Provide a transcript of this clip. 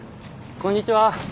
こんにちは。